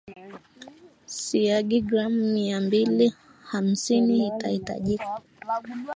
siagi gram mia mbili hamsini itahitajika